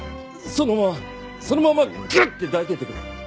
そのままそのままグッて抱いててくれ。